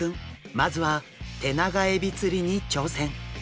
まずはテナガエビ釣りに挑戦。